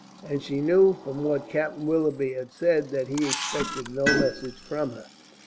And she knew from what Captain Willoughby had said that he expected no message from her.